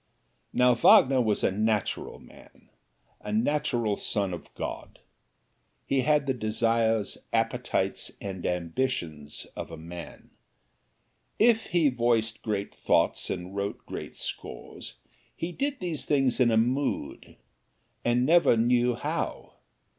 Now Wagner was a natural man a natural son of God. He had the desires, appetites and ambitions of a man. If he voiced great thoughts and wrote great scores, he did these things in a mood and never knew how.